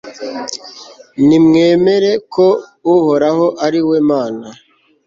nimwemere ko uhoraho ari we mana